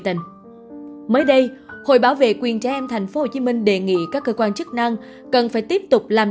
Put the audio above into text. tình mới đây hội bảo vệ quyền trẻ em tp hcm đề nghị các cơ quan chức năng cần phải tiếp tục làm